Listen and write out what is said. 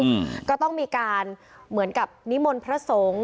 แบบตายโหงก็ต้องมีการเหมือนกับนิมลพระสงฆ์